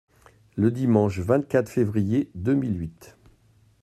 Le dimanche vingt-quatre février deux mille huit.